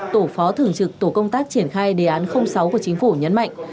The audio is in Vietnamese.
tổ phó thường trực tổ công tác triển khai đề án sáu của chính phủ nhấn mạnh